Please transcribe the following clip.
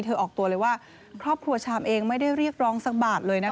ออกตัวเลยว่าครอบครัวชามเองไม่ได้เรียกร้องสักบาทเลยนะคะ